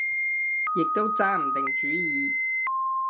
亦都揸唔定主意